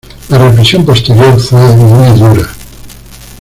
La represión posterior fue muy dura.